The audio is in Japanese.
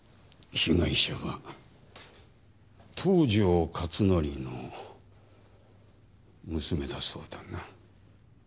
被害者は東条克典の娘だそうだな？